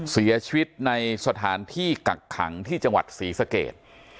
เสียชีวิตในสถานที่กักขังที่จังหวัดศรีสเกต